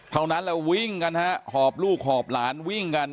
เท่านั้นแหละวิ่งกันฮะหอบลูกหอบหลานวิ่งกัน